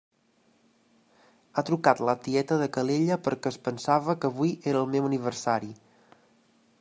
Ha trucat la tieta de Calella perquè es pensava que avui era el meu aniversari.